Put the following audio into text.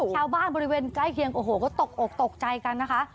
แถวบ้านบริเวณใกล้เคียงอ้อโหก็ตกอกตกใจกันนะคะ